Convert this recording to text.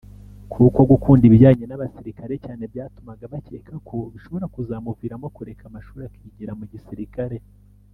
kuko gukunda ibijyanye n’abasirikare cyane byatumaga bacyeka ko bishobora kuzamuviramo kureka amashuri akigira mu gisirikare